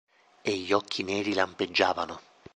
E gli occhi neri lampeggiavano.